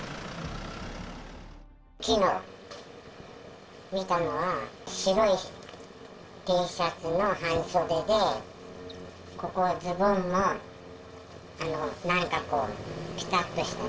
きのう見たのは、白いＴシャツの半袖で、ここはズボンのなんかこう、ぴたっとした。